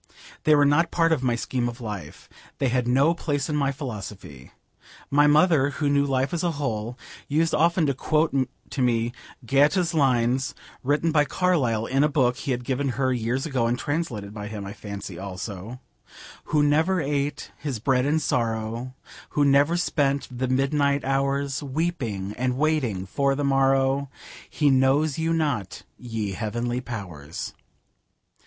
They were not part of my scheme of life. They had no place in my philosophy. My mother, who knew life as a whole, used often to quote to me Goethe's lines written by Carlyle in a book he had given her years ago, and translated by him, I fancy, also: 'Who never ate his bread in sorrow, Who never spent the midnight hours Weeping and waiting for the morrow, He knows you not, ye heavenly powers.'